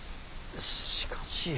しかし。